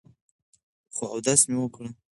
خو اودس مې وکړو ـ